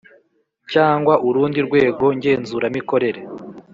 Cyangwa urundi urwego ngenzuramikorere